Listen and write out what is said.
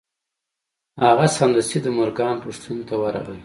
هغه سمدستي د مورګان پوښتنې ته ورغی